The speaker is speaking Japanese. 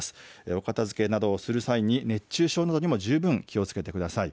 お片づけなどをする際に熱中症にも十分気をつけてください。